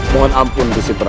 mohon ampun disitra